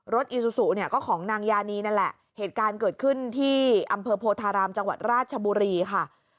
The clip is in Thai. อีซูซูเนี่ยก็ของนางยานีนั่นแหละเหตุการณ์เกิดขึ้นที่อำเภอโพธารามจังหวัดราชบุรีค่ะ